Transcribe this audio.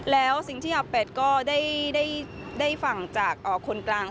แล้วสิ่งที่อาแปดก็ได้ฟังจากคนกลาง